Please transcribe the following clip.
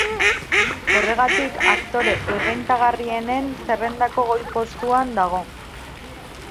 Horregatik, aktore errentagarrienen zerrendako goi postuan dago.